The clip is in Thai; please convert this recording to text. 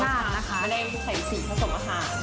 มันเองจะใส่สีเข้าสมอาหาร